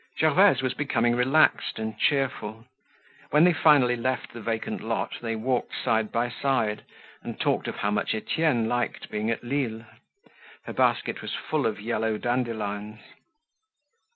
Gervaise was becoming relaxed and cheerful. When they finally left the vacant lot they walked side by side and talked of how much Etienne liked being at Lille. Her basket was full of yellow dandelions.